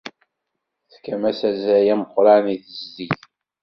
Tefkam-as azal ameqran i tezdeg.